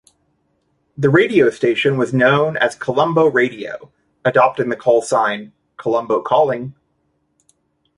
The radio station was known as Colombo Radio, adopting the call sign, 'Colombo Calling.